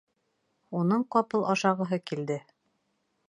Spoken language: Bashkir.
Уның ҡапыл ашағыһы килде.